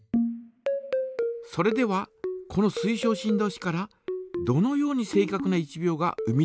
それではこの水晶振動子からどのように正かくな１秒が生み出されているのか。